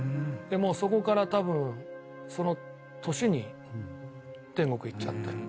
もうそこからたぶん、その年に天国逝っちゃって。